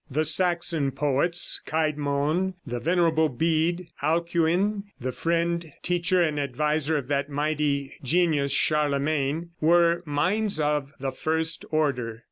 The Saxon poets Cædmon, the Venerable Bede, Alcuin, the friend, teacher and adviser of that mighty genius Charlemagne, were minds of the first order.